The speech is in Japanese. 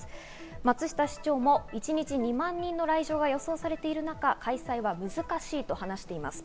松下市長も一日２万人の来場が予想されている中、開催は難しいと話しています。